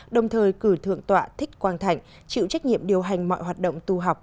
đồng thời cử thượng tọa thích quang thạnh chịu trách nhiệm điều hành mọi hoạt động tu học